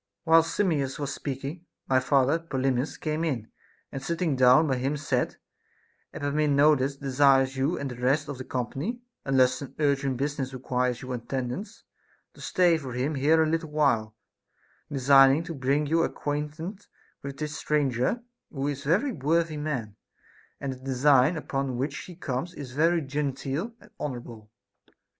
8. Whilst Simmias was speaking, my father Polymnis came in, and sitting down by him said : Epaminondas de sires you and the rest of the company, unless some urgent business requires your attendance, to stay for him here a little while, designing to bring you acquainted with this stranger, who is a very worthy man ; and the design upon which he comes is very genteel and honorable.